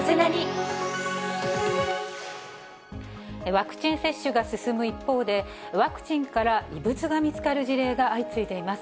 ワクチン接種が進む一方で、ワクチンから異物が見つかる事例が相次いでいます。